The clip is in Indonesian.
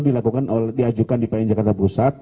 dilakukan oleh diajukan di pn jakarta pusat